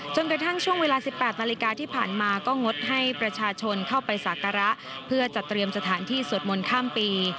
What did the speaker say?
จนกระทั่งช่วงเวลา๑๘นาฬิกาที่ผ่านมาก็งดให้ประชาชนเข้าไปสักการะเพื่อจัดเตรียมสถานที่สวดมนต์ข้ามปี